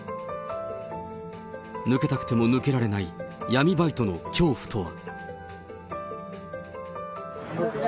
抜けたくても抜けられない、闇バイトの恐怖とは。